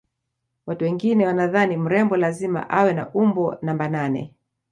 watu wengine wanadhani mrembo lazima awe na umbo namba nane